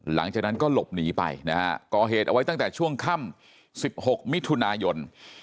หลังจากนั้นก็หลบหนีไปนะฮะก่อเหตุเอาไว้ตั้งแต่ช่วงค่ำ๑๖มิถุนายน